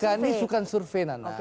bukan ini bukan survei nana